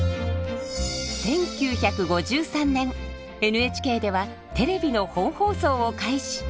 １９５３年ＮＨＫではテレビの本放送を開始。